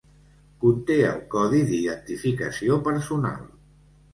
Conté el codi d'identificació personal.